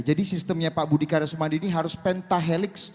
jadi sistemnya pak budi karya sumadini harus pentahelix